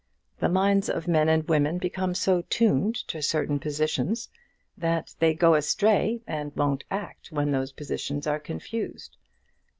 The minds of men and women become so tuned to certain positions, that they go astray and won't act when those positions are confused.